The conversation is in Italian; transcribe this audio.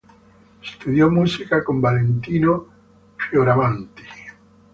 Studiò musica con Valentino Fioravanti.